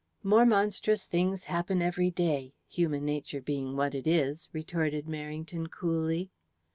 "More monstrous things happen every day human nature being what it is," retorted Merrington coolly.